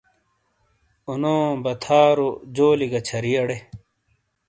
اُنو، بَتھارو، جولی گا چھَری اڑے۔